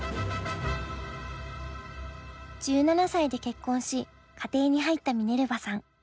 １７歳で結婚し家庭に入ったミネルバさん。